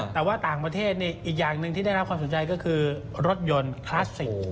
แต่ว่าต่างประเทศอีกอย่างหนึ่งที่ได้รับความสนใจก็คือรถยนต์คลาสสิก